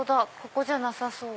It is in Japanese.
ここじゃなさそう。